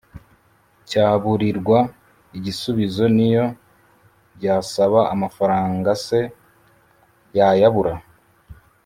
cyaburirwa igisubizo, n’iyo byasaba amafranga, se yayabura